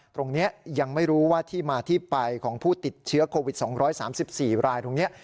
ตรงนี้ยังไม่รู้ว่าที่มาที่ไปของผู้ติดเชื้อโควิด๒๓๔รายตรงนี้